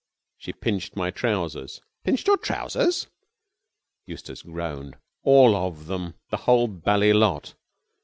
"She pinched my trousers!" "Pinched your trousers?" Eustace groaned. "All of them! The whole bally lot!